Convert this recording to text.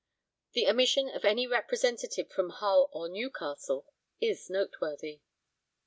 The omission of any representative from Hull or Newcastle is noteworthy.